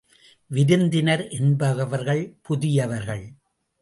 விருந்தினர் என்பவர்கள் புதியவர்கள்.